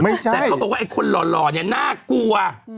แต่เขาบอกว่าไอ้คนหล่อเนี่ยน่ากลัว